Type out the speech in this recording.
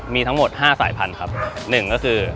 มีทั้งหมด๕สายพันธุ์